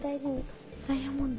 ダイヤモンド。